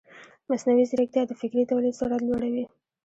مصنوعي ځیرکتیا د فکري تولید سرعت لوړوي.